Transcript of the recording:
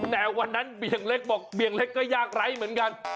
แต่วันนั้นเบี่ยงเล็กบอกเบี่ยงเล็กก็ยากไร้เหมือนกัน